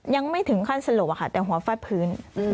ยังไม่ถึงขั้นสลบค่ะแต่หัวฟาดพื้น